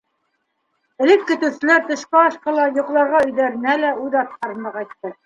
Элек көтөүселәр төшкө ашҡа ла, йоҡларға өйҙәренә лә үҙ аттарында ҡайтты.